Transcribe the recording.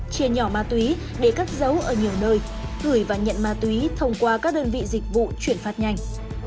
chia nhỏ ma túy để cất giấu ở nhiều nơi gửi và nhận ma túy thông qua các đơn vị dịch vụ chuyển phát nhanh